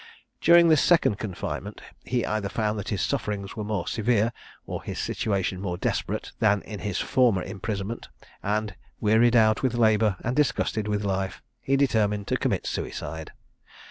During this second confinement, he either found that his sufferings were more severe or his situation more desperate than in his former imprisonment, and, wearied out with labour and disgusted with life, he determined to commit suicide.